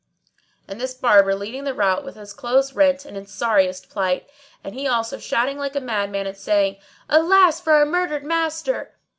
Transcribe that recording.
and this Barber leading the rout with his clothes rent and in sorriest plight; and he also shouting like a madman and saying, "Alas for our murdered master!"